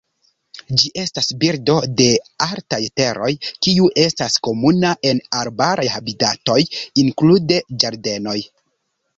Ĝi estas birdo de altaj teroj kiu estas komuna en arbaraj habitatoj, inklude ĝardenoj.